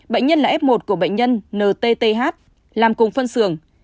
bệnh nhân là f một của bệnh nhân n t t h làm cùng phân xưởng